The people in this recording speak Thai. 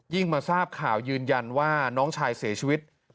มาทราบข่าวยืนยันว่าน้องชายเสียชีวิต